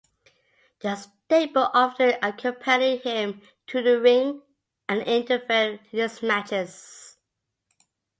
The stable often accompanied him to the ring and interfered in his matches.